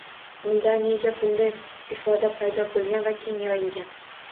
Unda nega bunday ifoda paydo boʻlgan va keng yoyilgan